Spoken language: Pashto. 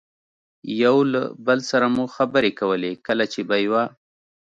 یو له بل سره مو خبرې کولې، کله چې به یوه.